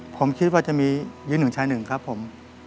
ผมคิดว่าจะมียืนหนึ่งชายหนึ่งครับผม